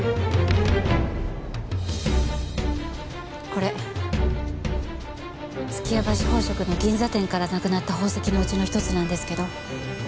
これ数寄屋橋宝飾の銀座店からなくなった宝石のうちの１つなんですけど。